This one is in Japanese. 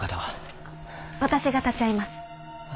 私が立ち会います。